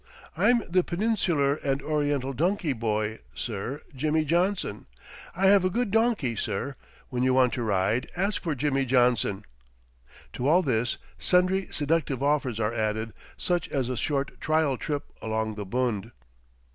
"I'm the Peninsular and Oriental Donkey Boy, sir, Jimmy Johnson; I have a good donkey, sir, when you want to ride, ask for Jimmy Johnson." To all this, sundry seductive offers are added, such as a short trial trip along the bund.